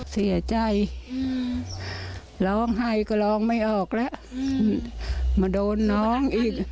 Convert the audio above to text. เสียใจร้องไห้ก็ร้องไม่ออกแล้วมาโดนน้องอีก